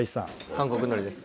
韓国のりです。